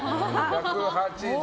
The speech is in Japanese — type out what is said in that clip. １８０。